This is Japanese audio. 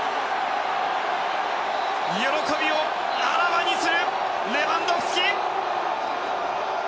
喜びをあらわにするレバンドフスキ！